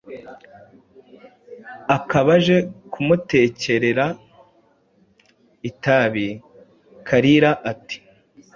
akaba aje kumutekerera itabi. Kalira, ati «